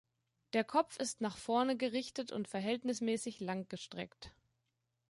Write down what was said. Der Kopf ist nach vorne gerichtet und verhältnismäßig langgestreckt.